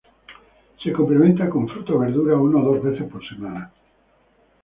Se complementa con fruta o verdura una o dos veces por semana.